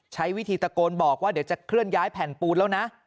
ใช้วิธีตะโกนบอกว่าเดี๋ยวจะเคลื่อนย้ายแผ่นปูนแล้วนะ